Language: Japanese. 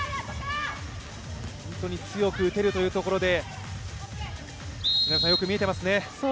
本当に強く打てるところで、よく見えていますね。